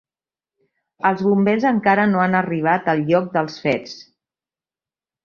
Els Bombers encara no han arribat al lloc dels fets.